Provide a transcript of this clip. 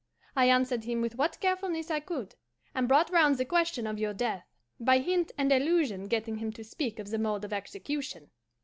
I answered him with what carefulness I could, and brought round the question of your death, by hint and allusion getting him to speak of the mode of execution.